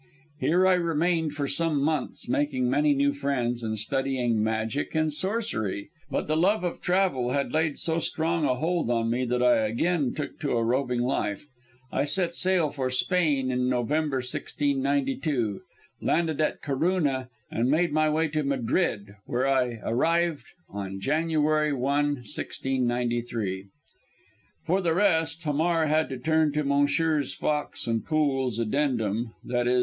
Here I remained for some months, making many new friends, and studying magic and sorcery. But the love of travel had laid so strong a hold on me that I again took to a roving life. I set sail for Spain in November 1692; landed at Corunna, and made my way to Madrid, where I arrived on January 1, 1693." For the rest, Hamar had to turn to Messrs. Fox and Pool's addendum, _i.e.